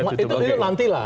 itu nanti lah